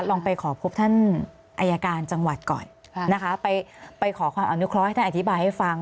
ลองไปขอพบท่านอายการจังหวัดก่อนนะคะไปขอความอนุเคราะห์ให้ท่านอธิบายให้ฟัง